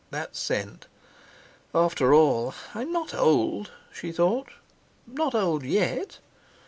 That scent! "After all, I'm not old," she thought, "not old yet!"